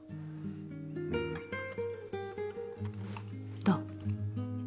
どう？